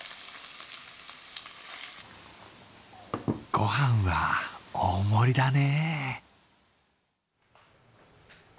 ごはんは大盛りだね。